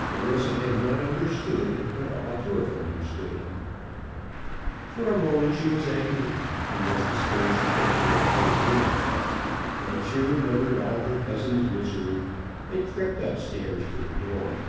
Clarissa had not understood, but ought to have understood. For a moment she was angry, and was disposed to go to her own room. Then she remembered all her cousin's misery, and crept up stairs to the door.